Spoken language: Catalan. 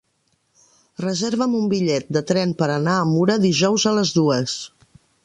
Reserva'm un bitllet de tren per anar a Mura dijous a les dues.